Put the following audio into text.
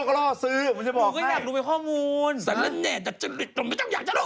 กระเทยเก่งกว่าเออแสดงความเป็นเจ้าข้าว